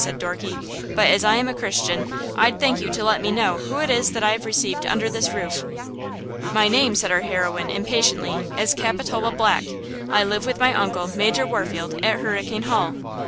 said Dorky. "But as I am a Christian, I'd thank you to let me know who it is that I have received under this roof." "My name," said our heroine, impatiently, "is Capitola Black! I live with my uncle, Major Warfield, at Hurricane Hall!